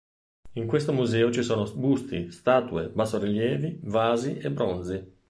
In questo museo ci sono busti, statue, bassorilievi, vasi e bronzi.